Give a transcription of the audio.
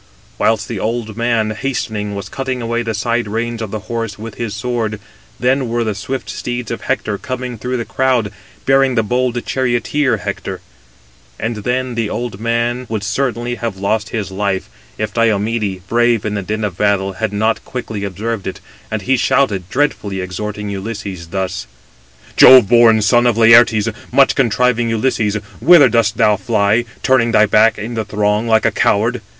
Whilst the old man hastening, was cutting away the side reins of the horse with his sword, then were the swift steeds of Hector coming through the crowd, bearing the bold charioteer Hector. And then the old man would certainly have lost his life, if Diomede, brave in the din of battle, had not quickly observed it; and he shouted, dreadfully exhorting Ulysses, [thus]: Footnote 269: (return) Or "opportune" viz for inflicting a fatal wound.—Kennedy. "Jove born son of Laërtes, much contriving Ulysses, whither dost thou fly, turning thy back in the throng, like a coward?